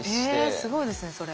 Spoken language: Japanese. えっすごいですねそれ。